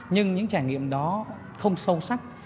nhưng những trải nghiệm đó không sâu sắc